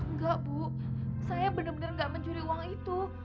nggak bu saya bener bener nggak mencuri uang itu